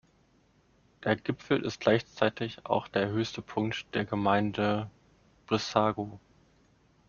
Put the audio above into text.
Der Gipfel ist gleichzeitig auch der höchste Punkt der Gemeinde Brissago.